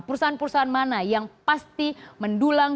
perusahaan perusahaan mana yang pasti mendulang